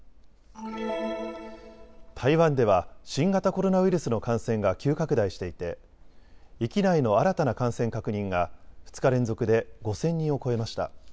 台湾では新型コロナウイルスの感染が急拡大していて域内の新たな感染確認が２日連続で５０００人を超えました。